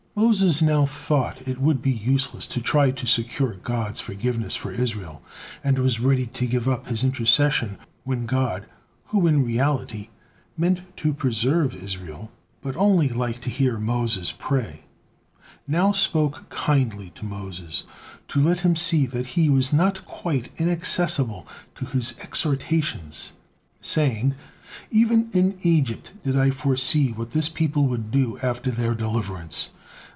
Moses now thought it would be useless to try to secure God's forgiveness for Israel, and was ready to give up his intercession, when God, who in reality meant to preserve Israel, but only like to hear Moses pray, now spoke kindly to Moses to let him see that He was not quite inaccessible to his exhortations, saying: "Even in Egypt did I foresee what this people would do after their deliverance.